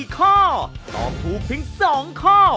๔ข้อตอบถูกเพียง๒ข้อ